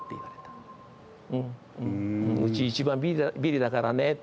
「うち一番ビリだからね」って。